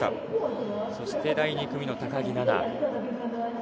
そして第２組の高木菜那。